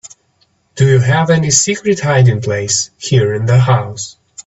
Do you have any secret hiding place here in the house?